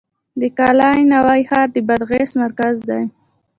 د قلعه نو ښار د بادغیس مرکز دی